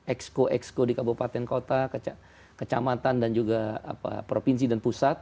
exco exco di kabupaten kota kecamatan dan juga provinsi dan pusat